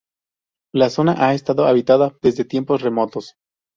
La zona ha estado habitada desde tiempos remotos.